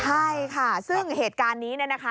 ใช่ค่ะซึ่งเหตุการณ์นี้เนี่ยนะคะ